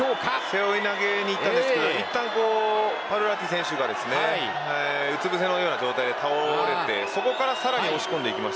背負投にいきましたがいったんパルラーティ選手がうつぶせのような状態で倒れてそこからさらに押し込んでいきま